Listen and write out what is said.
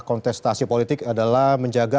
kontestasi politik adalah menjaga